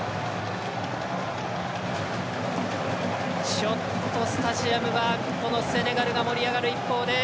ちょっとスタジアムはセネガルが盛り上がる一方で。